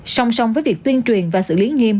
song song với việc tuyên truyền và xử lý nghiêm